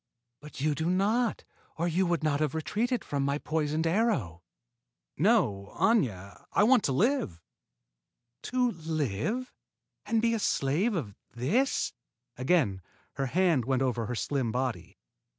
But you do not, or you would not have retreated from my poisoned arrow." "No, Aña; I want to live." "To live and be a slave of this?" Again her hand went over her slim body.